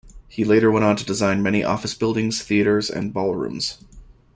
He later went on to design many office buildings, theaters, and ballrooms.